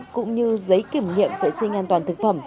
cũng như giấy kiểm nghiệm vệ sinh an toàn thực phẩm